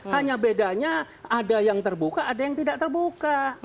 hanya bedanya ada yang terbuka ada yang tidak terbuka